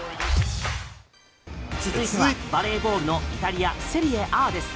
続いてはバレーボールのイタリア・セリエＡです。